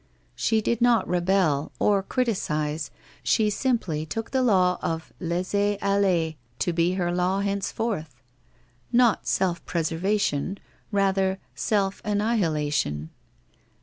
She did not rebel, or criticize, she simply took the law of laisser aller to be her law henceforth. Not self preservation, rather self annihila tion!